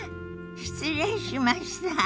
失礼しました。